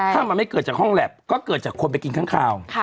ถ้ามันไม่เกิดจากห้องแล็บก็เกิดจากคนไปกินข้างคาว